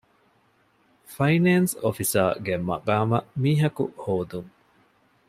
ފައިނޭންސް އޮފިސަރ ގެ މަޤާމަށް މީހަކު ހޯދުން.